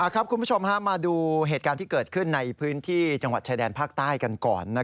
คุณผู้ชมมาดูเหตุการณ์ที่เกิดขึ้นในพื้นที่จังหวัดชายแดนภาคใต้กันก่อน